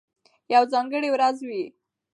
یوه ځانګړې ورځ وي،